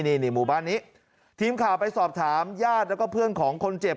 นี่หมู่บ้านนี้ทีมข่าวไปสอบถามญาติแล้วก็เพื่อนของคนเจ็บ